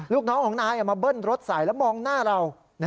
ลูกน้องของนายมาเบิ้ลรถใส่แล้วมองหน้าเรา